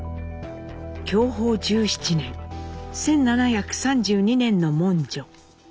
享保１７年１７３２年の文書。